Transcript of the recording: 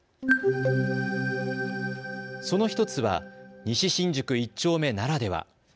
その１つは西新宿１丁目ならでは。